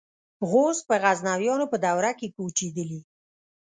غوز په غزنویانو په دوره کې کوچېدلي.